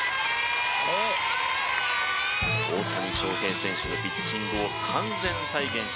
大谷翔平選手のピッチングを完全再現しました